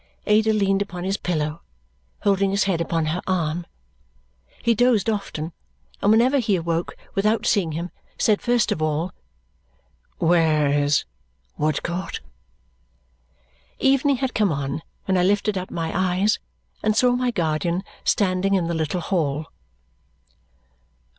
Ada leaned upon his pillow, holding his head upon her arm. He dozed often, and whenever he awoke without seeing him, said first of all, "Where is Woodcourt?" Evening had come on when I lifted up my eyes and saw my guardian standing in the little hall.